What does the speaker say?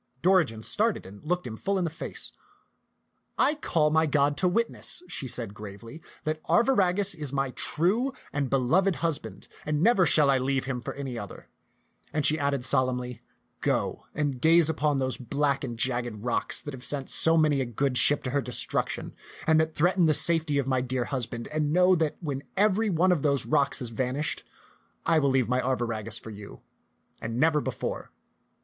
Dorigen started and looked him full in the face. "I call my God to witness," she said gravely, "that Arviragus is my true and beloved husband, and never shall I leave him for any other"; and she added sol t^t <^x<xnM\n'B taU 191 emnly, "Go and gaze upon those black and jagged rocks that have sent so many a good ship to her de struction and that threaten the safety of my dear hus band, and know that when every one of those rocks has vanished, I will leave my Arviragus for you, and never before.